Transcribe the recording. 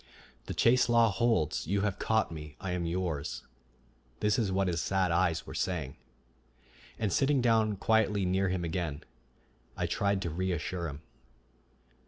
"The chase law holds. You have caught me; I am yours," this is what his sad eyes were saying. And sitting down quietly near him again, I tried to reassure him.